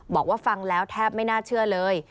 บอกว่าฟังแล้วแทบไม่น่าเชื่อเลย